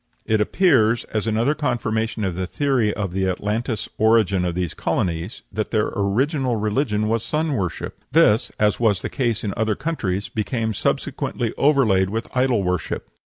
It appears, as another confirmation of the theory of the Atlantis origin of these colonies, that their original religion was sun worship; this, as was the case in other countries, became subsequently overlaid with idol worship.